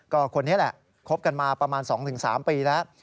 ก็คนนี้แหละคบกันมาประมาณ๒๓ปีแล้ว